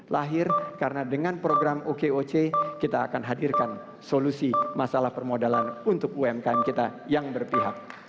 lahir karena dengan program okoc kita akan hadirkan solusi masalah permodalan untuk umkm kita yang berpihak